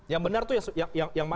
yang benar itu yang